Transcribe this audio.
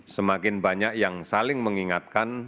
semakin banyak yang saling mengingatkan